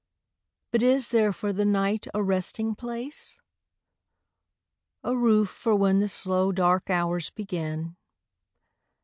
But is there for the night a resting place? A roof for when the slow dark hours begin.